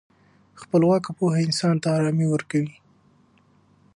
خپلواکه پوهه انسان ته ارامي ورکوي.